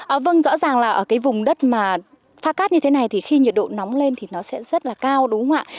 ơ rõ ràng là ở cái vùng đất mà pha cát như thế này thì khi nhiệt độ nóng lên thì nó sẽ rất là cao đúng không ạ